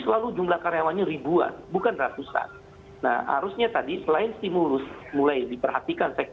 selalu jumlah karyawannya ribuan bukan ratusan nah harusnya tadi selain stimulus mulai diperhatikan